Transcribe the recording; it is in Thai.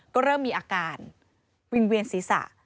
ก็เริ่มมีอาการวิ่งเวียนศีรษะ